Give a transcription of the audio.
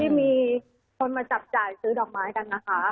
มีคนมาจับจ่ายซื้อดอกไม้กันนะคะ